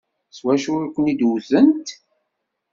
S wacu i ken-id-wtent?